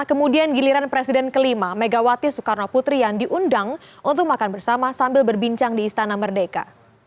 kemudian giliran presiden kelima megawati soekarno putri yang diundang untuk makan bersama sambil berbincang di istana merdeka